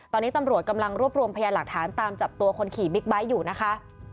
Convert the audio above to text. ตอนนี้ตำรวจกำลังรวบรวมพยานหลักฐานตามจับตัวคนขี่บิ๊กไบท์อยู่นะคะ